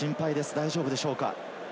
大丈夫でしょうか？